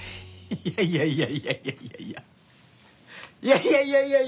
いやいやいやいやいやいやいやいや！